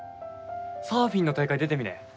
サーフィンの大会出てみねえ？